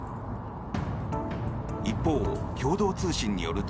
一方、共同通信によると